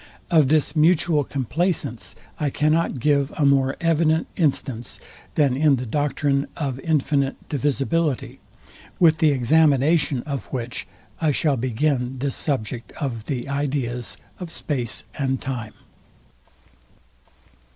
Of this mutual complaisance I cannot give a more evident instance than in the doctrine of infinite divisibility, with the examination of which I shall begin this subject of the ideas of space and time.